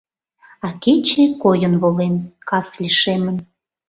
А кече койын волен, кас лишемын.